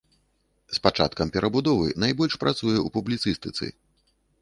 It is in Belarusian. З пачаткам перабудовы найбольш працуе ў публіцыстыцы.